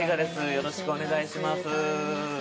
よろしくお願いします